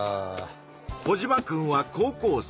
コジマくんは高校生。